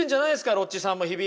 ロッチさんも日々。